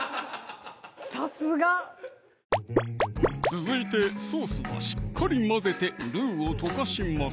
さすが！続いてソースはしっかり混ぜてルウを溶かします